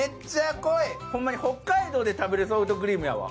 ホンマに北海道で食べるソフトクリームやわ。